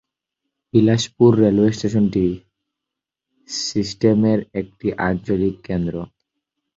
Bilaspur railway স্টেশনটি সিস্টেমের একটি আঞ্চলিক কেন্দ্র।